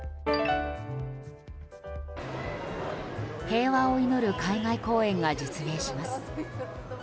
平和を祈る海外公演が実現します。